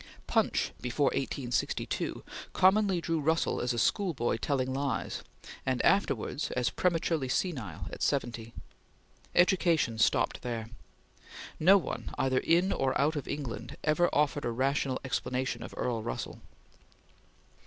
Punch, before 1862, commonly drew Russell as a schoolboy telling lies, and afterwards as prematurely senile, at seventy. Education stopped there. No one, either in or out of England, ever offered a rational explanation of Earl Russell.